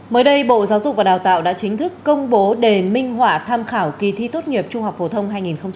mới đây bộ giáo dục và đào tạo đã chính thức công bố đề minh họa tham khảo kỳ thi tốt nghiệp trung học phổ thông hai nghìn hai mươi